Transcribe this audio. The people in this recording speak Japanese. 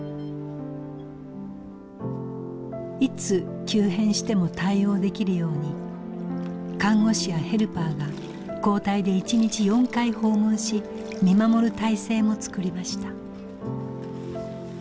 いつ急変しても対応できるように看護師やヘルパーが交代で１日４回訪問し見守る体制も作りました。